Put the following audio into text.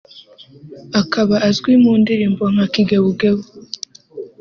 akaba azwi mu ndirimbo nka “Kigeugeu”